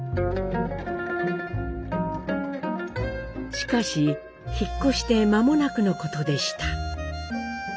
しかし引っ越して間もなくのことでした。